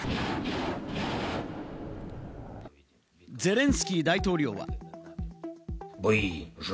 ゼレンスキー大統領は。